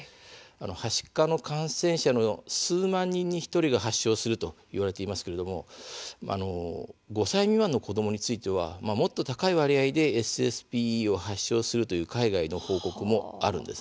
はしかの感染者の数万人に１人が発症するといわれていますが５歳未満の子どもについてはもっと高い割合でＳＳＰＥを発症するという海外の報告もあるんです。